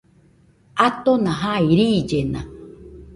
Atona jai, riillena